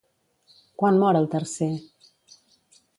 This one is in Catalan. Quan mor el tercer?